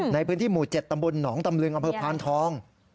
ในพื้นที่หมู่๗ตำบลหนองตำลึงอำเภอพานทอง